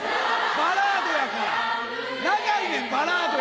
バラードやから。